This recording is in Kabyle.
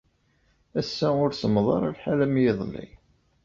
Ass-a ur semmeḍ ara lḥal am yiḍelli.